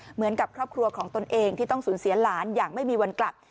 เหมือนกับครอบครัวของตนเองที่ต้องสูญเสียหลานอย่างไม่มีวันกลับ